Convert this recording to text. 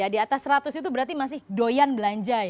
di atas seratus itu berarti masih doyan belanja